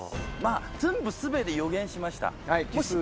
全部全て予言しました。